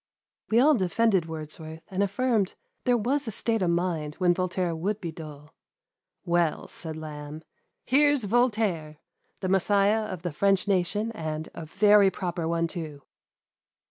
We all defended Wordsworth, and affirmed there was a state of mind when Voltaire would be dull. " Well," said Lamb, " here's Voltaire — ^the Messiah of the French nation, and a very proper one too."